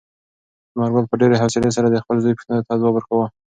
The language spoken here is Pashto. ثمرګل په ډېرې حوصلې سره د خپل زوی پوښتنو ته ځواب ورکاوه.